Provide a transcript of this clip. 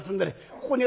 ここに」。